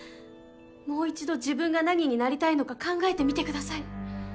もう一度自分が何になりたいのか考えてみてください。